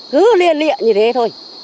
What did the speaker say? cứ lia lia như thế thôi